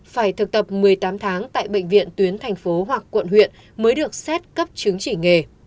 phải thực tập một mươi tám tháng tại bệnh viện tuyến thành phố hoặc quận huyện mới được xét cấp chứng chỉ nghề